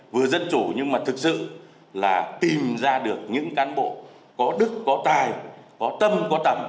vừa dân chủ nhưng mà thực sự là tìm ra được những cán bộ có đức có tài có tâm có tầm